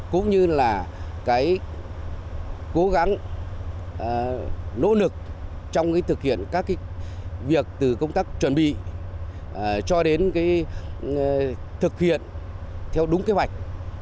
cũng như là cái cố gắng nỗ lực trong thực hiện các việc từ công tác chuẩn bị cho đến thực hiện theo đúng kế hoạch